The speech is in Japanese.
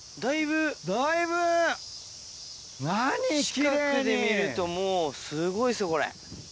近くで見ると、もうすごいっすよ、これ。